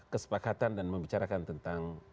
kesepakatan dan membicarakan tentang